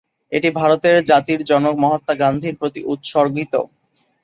এটি ভারতের জাতির জনক মহাত্মা গান্ধীর প্রতি উৎসর্গিত।